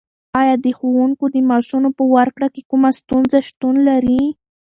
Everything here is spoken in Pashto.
ایا د ښوونکو د معاشونو په ورکړه کې کومه ستونزه شتون لري؟